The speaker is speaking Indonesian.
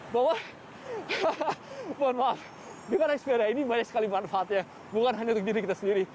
bahwa mohon maaf gimana sepeda ini banyak sekali manfaatnya bukan hanya untuk diri kita sendiri